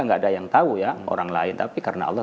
nggak ada yang tahu ya orang lain tapi karena allah